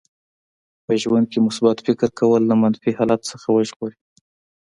په ژوند کې مثبت فکر کول له منفي حالت څخه وژغوري.